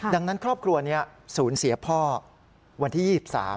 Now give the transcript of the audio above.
ดังนั้นครอบครัวนี้สูญเสียพ่อวันที่๒๓